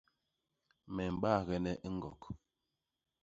Me mbaagene i ñgok.